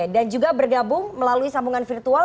juga bergabung melalui sambungan virtual